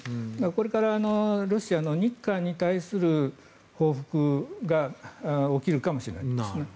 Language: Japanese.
これからロシアの日韓に対する報復が起きるかもしれないですね。